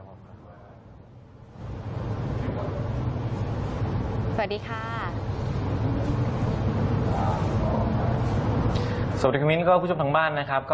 สวัสดีค่ะมิ้นก็คุณผู้ชมทางบ้านนะครับ